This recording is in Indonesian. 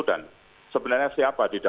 dan sebenarnya siapa